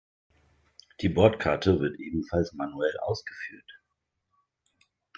Die Bordkarte wird ebenfalls manuell ausgefüllt.